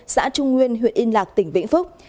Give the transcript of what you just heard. xã trung nguyên huyện yên lạc tỉnh vĩnh phúc